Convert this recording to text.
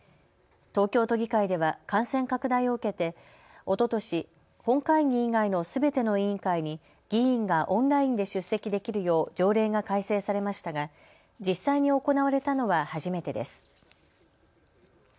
東京都議会では感染拡大を受けておととし本会議以外のすべての委員会に議員がオンラインで出席できるよう条例が改正されましたが実際に行われたのは初めてです。